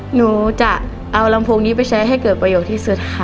หนูจะเอารัมฟุงนี้ไปใช้ไว้ให้เกิดประโยคที่สุดค่ะ